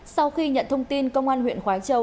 sau khi nhận thông tin công an huyện khói châu